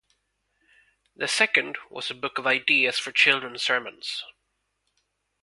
The second was a book of ideas for children's sermons.